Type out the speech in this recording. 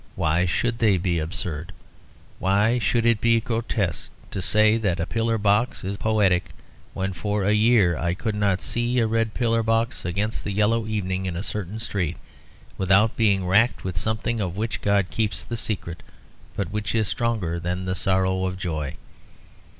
Why should they be absurd? Why should it be grotesque to say that a pillar box is poetic when for a year I could not see a red pillar box against the yellow evening in a certain street without being wracked with something of which God keeps the secret, but which is stronger than sorrow or joy?